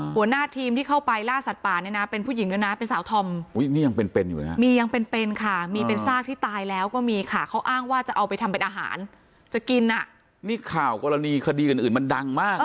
หัวหน้าทีมที่เข้าไปล่าสัตว์ป่าเนี่ยนะเป็นผู้หญิงด้วยนะเป็นสาวธรรม